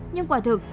nhưng quả thực